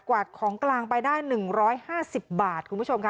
วาดของกลางไปได้๑๕๐บาทคุณผู้ชมค่ะ